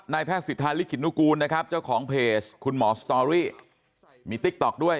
แพทย์สิทธาลิขิตนุกูลนะครับเจ้าของเพจคุณหมอสตอรี่มีติ๊กต๊อกด้วย